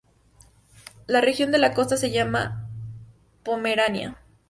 La región de la costa se llama Pomerania.